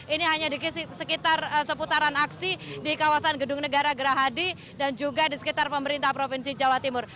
ini hanya di sekitar seputaran aksi di kawasan gedung negara gerahadi dan juga di sekitar pemerintah provinsi jawa timur